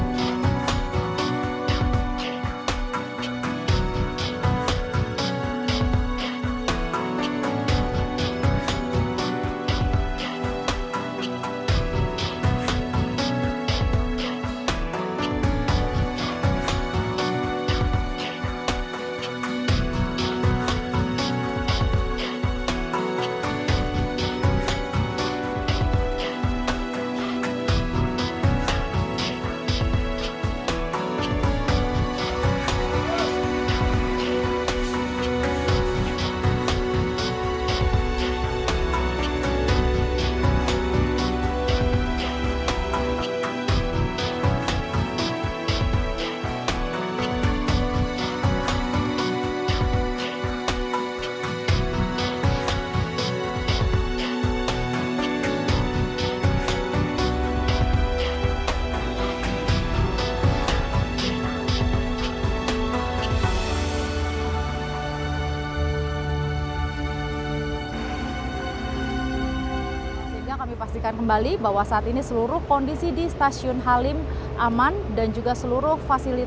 jangan lupa like share dan subscribe channel ini untuk dapat info terbaru dari kami